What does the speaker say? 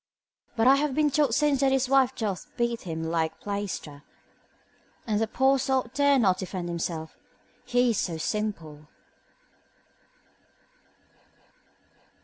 But I have been told since that his wife doth beat him like plaister, and the poor sot dare not defend himself, he is so simple.